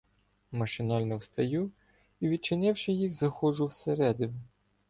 Машинально встаю і, відчинивши їх, заходжу всередину.